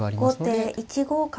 後手１五角。